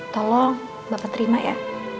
tolong bapak terima ya